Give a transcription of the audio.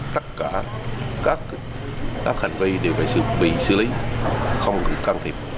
tất cả các hành vi đều phải bị xử lý không can thiệp